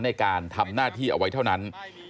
ในการทำหน้าที่เอาไว้เท่านั้น